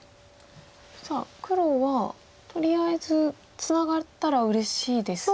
さあ黒はとりあえずツナがったらうれしいですが。